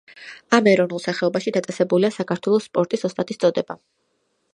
ამ ეროვნულ სახეობაში დაწესებულია საქართველოს სპორტის ოსტატის წოდება.